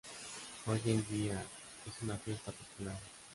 Hoy en día es una fiesta popular.